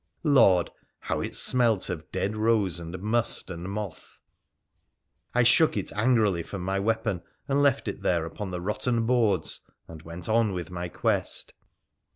Lord ! how it smelt of dead rose, and must, and moth ! I shook it angrily from my weapon, and left it there upon the rotten boards, and went on with my quest.